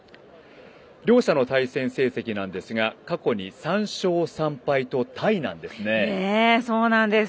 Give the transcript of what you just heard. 両者の対戦成績なんですが過去に３勝３敗とタイなんですね。